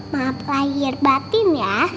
maaf lah herbatin ya